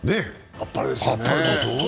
あっぱれですね。